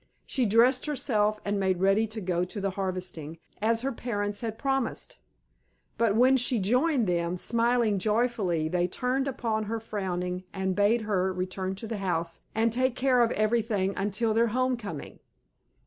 She dressed herself and made ready to go to the harvesting, as her parents had promised. But when she joined them, smiling joyfully, they turned upon her frowning and bade her return to the house and take care of everything until their home coming.